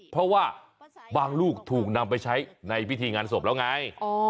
เพราะว่าบางลูกถูกนำไปใช้ในพิธีงานศพแล้วไง